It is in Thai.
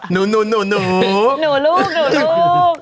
หนูหนูลูกหนูลูก